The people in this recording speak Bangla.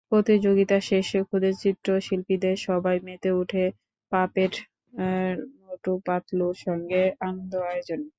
প্রতিযোগিতা শেষে খুদে চিত্রশিল্পীদের সবাই মেতে ওঠে পাপেট মোটু-পাতলুর সঙ্গে আনন্দ আয়োজনে।